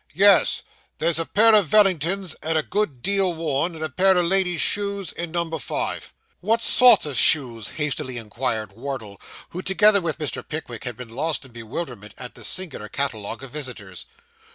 'Yes; there's a pair of Vellingtons a good deal worn, and a pair o' lady's shoes, in number five.' 'What sort of shoes?' hastily inquired Wardle, who, together with Mr. Pickwick, had been lost in bewilderment at the singular catalogue of visitors.